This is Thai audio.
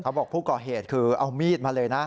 บอกผู้ก่อเหตุคือเอามีดมาเลยนะ